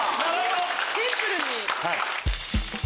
シンプルに。